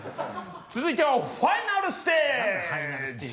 続いてはファイナルステージ！